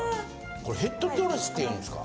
これヘッドドレスっていうんですか？